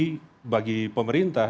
menjadi bagi pemerintah